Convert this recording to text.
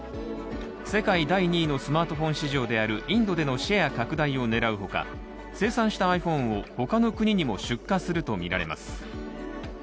世界第２位のスマートフォン市場であるインドへのシェア拡大を狙うほか生産したｉＰｈｏｎｅを他の国にも出荷するとみられます。